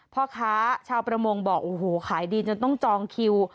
พ่อค้าชาวประมงบอกโอ้โหขายดีจนต้องจองคิว